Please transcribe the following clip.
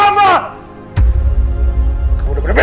kamu udah bener bener ngerti